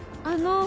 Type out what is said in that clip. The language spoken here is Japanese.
あの